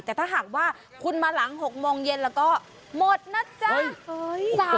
แต่ถ้าหากว่าคุณมาหลัง๖โมงเย็นแล้วก็หมดนะจ๊ะ